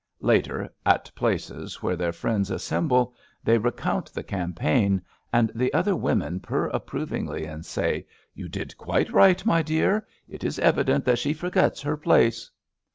Later, at places where their friends assemble, they recoimt the campaign, and the other women purr approvingly and say :You did quite right, my dear. It is evident that she forgets her place."